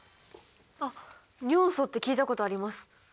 あっ尿素って聞いたことあります。